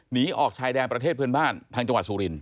หนีออกชายแดนประเทศเพื่อนบ้านทางจังหวัดสุรินท